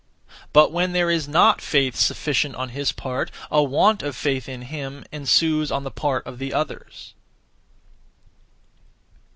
(But) when there is not faith sufficient (on his part), a want of faith (in him) ensues (on the part of the others).